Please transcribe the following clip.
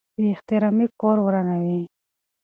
بې احترامي کور ورانوي.